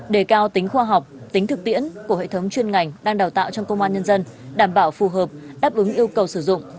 đề cao tính khoa học tính thực tiễn của hệ thống chuyên ngành đang đào tạo trong công an nhân dân đảm bảo phù hợp đáp ứng yêu cầu sử dụng